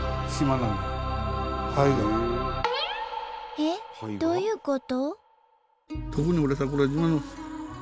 えっ？どういうこと？